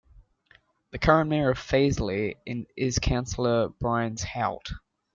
The current Mayor of Fazeley is Councillor Brian Hoult.